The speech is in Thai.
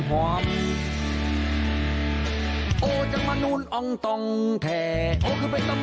เห็ดนามเสียบนตาไปขันเห็ดนาม